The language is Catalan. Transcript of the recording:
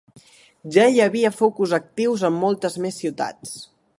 Ja hi havia focus actius en moltes més ciutats.